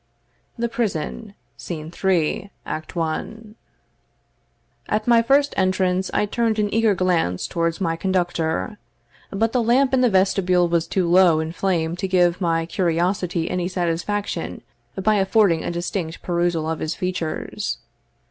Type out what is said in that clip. The Prison, Scene III. Act I. At my first entrance I turned an eager glance towards my conductor; but the lamp in the vestibule was too low in flame to give my curiosity any satisfaction by affording a distinct perusal of his features.